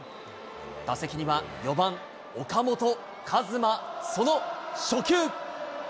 打席には４番岡本和真、その初球。